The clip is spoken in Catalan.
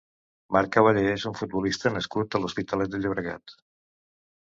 Marc Caballé és un futbolista nascut a l'Hospitalet de Llobregat.